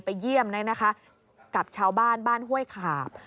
ไปเยี่ยมกับชาวบ้านบ้านห้วยขาบ